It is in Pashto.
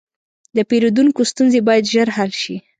د پیرودونکو ستونزې باید ژر حل شي.